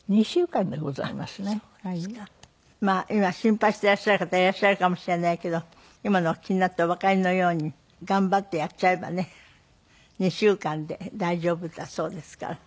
今心配してらっしゃる方いらっしゃるかもしれないけど今のお聞きになっておわかりのように頑張ってやっちゃえばね２週間で大丈夫だそうですから。